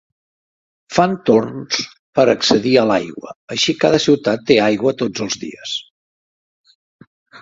Fan torns per accedir a l'aigua, així cada ciutat té aigua tots els dies.